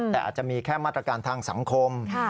แต่อาจจะมีแค่มาตรการทางสังคม